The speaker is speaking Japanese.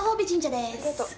ありがとう。